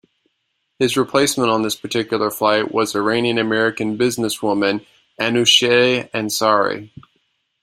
His replacement on this particular flight was Iranian-American businesswoman Anousheh Ansari.